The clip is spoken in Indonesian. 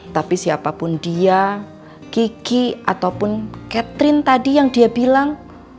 tapi siapapun dia gigi ataupun catherine tadi yang dia bilang